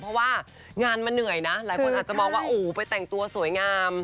เพราะว่างานมันเหนื่อยนะหลายคนอาจจะมองว่าอู๋ไปแต่งตัวสวยงาม